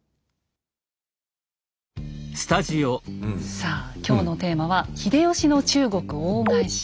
さあ今日のテーマは「秀吉の中国大返し」。